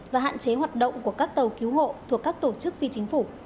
và hạn chế hoạt động của các tàu cứu hộ thuộc các tổ chức phi chính phủ